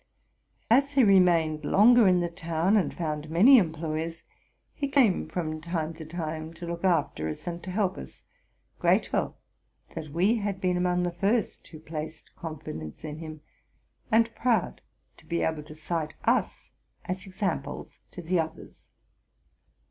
As he remained longer in the town, and found many employers, he came from time to time to look after us and to help us, grateful that we had been among the first who placed confidence in him, and proud to be able to cite us as examples to the others.